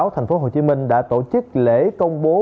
thành phố hồ chí minh đã tổ chức lễ công bố